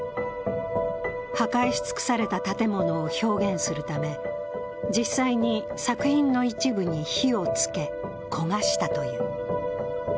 破壊し尽くされた建物を表現するため、実際に作品の一部に火をつけ焦がしたという。